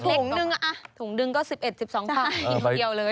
สักถุงหนึ่งถุงดึงก็๑๑๑๒ฝักกินคนเดียวเลย